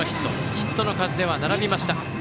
ヒットの数では並びました。